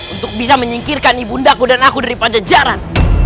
untuk bisa menyingkirkan ibu undaku dan aku dari panjajaran